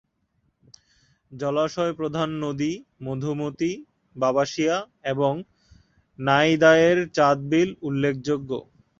জলাশয় প্রধান নদী:মধুমতি, বাবাশিয়া এবং নাইদায়ের চাঁদ বিল উল্লেখযোগ্য।